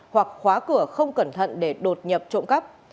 hoặc khóa cửa không cẩn thận để đột nhập trộm cắp